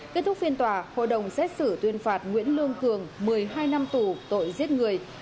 kết thúc phiên tòa hội đồng xét xử tuyên phạt nguyễn lương cường một mươi hai năm tù tội giết người